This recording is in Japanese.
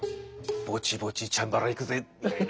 ぼちぼちチャンバラ行くぜみたいな。